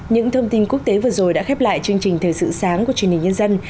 những thông tin quốc tế vừa rồi đã khép lại chương trình thời sự sáng của truyền hình nhân dân